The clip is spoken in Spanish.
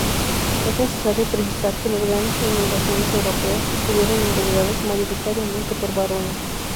Es necesario precisar que las grandes inmigraciones europeas estuvieron integradas mayoritariamente por varones.